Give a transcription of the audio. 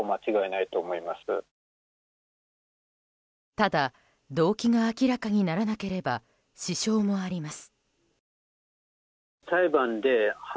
ただ動機が明らかにならなければ支障もあります。